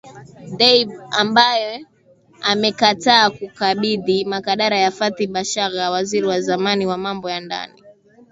Dbeibah ambaye amekataa kukabidhi madaraka kwa Fathi Bashagha, waziri wa zamani wa mambo ya ndani